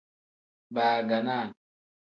Baaganaa.